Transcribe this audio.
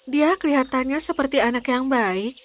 dia kelihatannya seperti anak yang baik